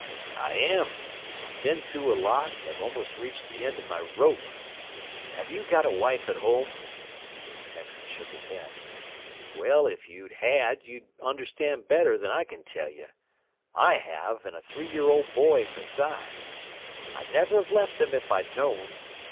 "I am. I've been through a lot and have almost reached the end of my rope. Have you got a wife at home?" The Texan shook his head. "Well, if you had you'd understand better than I can tell you. I have, and a three year old boy besides. I'd never have left them if I'd known.